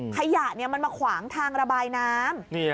ขยะมันมาขวางทางระบายน้ำ